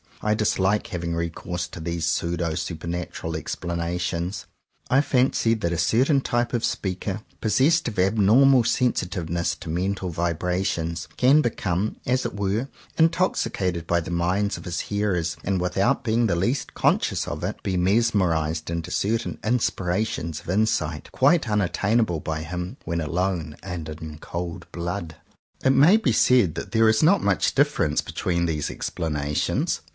I dislike having re course to these pseudo supernatural ex planations. I fancy that a certain type of speaker possessed of abnormal sensitiveness to mental vibrations, can become as it were intoxicated by the minds of his hearers, and, without being the least con scious of it, be mesmerized into certain inspirations of insight, quite unattainable by him when alone and in cold blood. It may be said that there is not much difference between these explanations.